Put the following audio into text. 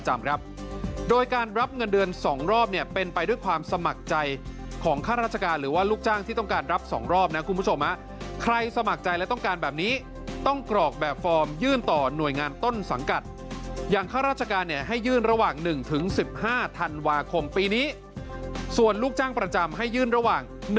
โดยการรับเงินเดือน๒รอบเนี่ยเป็นไปด้วยความสมัครใจของข้าราชการหรือว่าลูกจ้างที่ต้องการรับ๒รอบนะคุณผู้ชมใครสมัครใจและต้องการแบบนี้ต้องกรอกแบบฟอร์มยื่นต่อหน่วยงานต้นสังกัดอย่างข้าราชการเนี่ยให้ยื่นระหว่าง๑๑๕ธันวาคมปีนี้ส่วนลูกจ้างประจำให้ยื่นระหว่าง๑